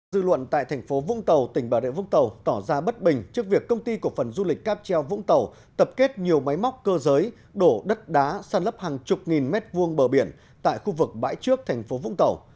dư luận tại thành phố vũng tàu tỉnh bà rệ vũng tàu tỏ ra bất bình trước việc công ty cổ phần du lịch cáp treo vũng tàu tập kết nhiều máy móc cơ giới đổ đất đá săn lấp hàng chục nghìn mét vuông bờ biển tại khu vực bãi trước thành phố vũng tàu